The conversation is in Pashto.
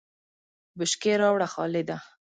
بشکی راوړه خالده !